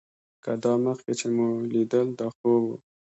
که دا مخکې چې مې ليدل دا خوب و.